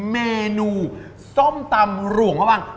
เมนูส้มตำหร่วงระวัง